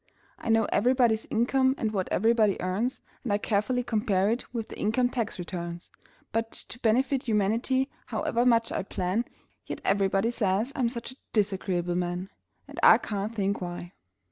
I know everybody's income and what everybody earns, And I carefully compare it with the income tax returns; But to benefit humanity, however much I plan, Yet everybody says I'm such a disagreeable man! And I can't think why!